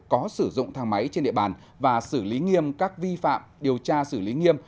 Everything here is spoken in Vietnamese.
có sử dụng thang máy trên địa bàn và xử lý nghiêm các vi phạm điều tra xử lý nghiêm